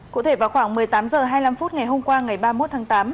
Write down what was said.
cụ thể vào khoảng một mươi tám h hai mươi năm phút ngày hôm qua ngày ba mươi một tháng tám